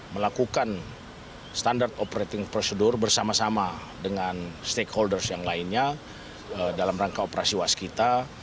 melakukan standard operating procedure bersama sama dengan stakeholders yang lainnya dalam rangka operasi waskita